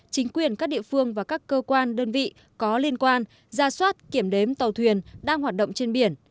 chính quyền các địa phương và các cơ quan đơn vị có liên quan ra soát kiểm đếm tàu thuyền đang hoạt động trên biển